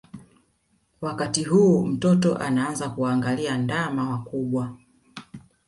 Wakati huu mtoto anaanza kuwaangalia ndama wakubwa